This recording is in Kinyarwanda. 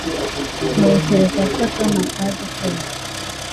Ntekereza ko Tom atazi koga